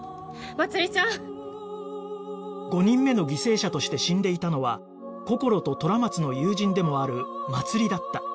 ５人目の犠牲者として死んでいたのはこころと虎松の友人でもあるまつりだった